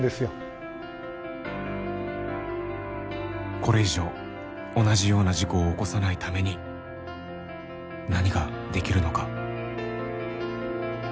これ以上同じような事故を起こさないために何ができるのか。